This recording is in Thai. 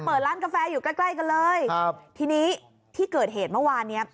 เปิดร้านกาแฟอยู่ใกล้ใกล้กันเลยครับทีนี้ที่เกิดเหตุเมื่อวานเนี้ย